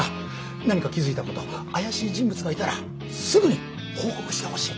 何か気付いたこと怪しい人物がいたらすぐに報告してほしい。